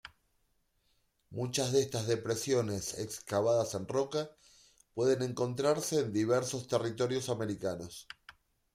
Muchas de estas depresiones excavadas en roca pueden encontrarse en diversos territorios americanos.